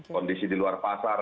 kondisi di luar pasar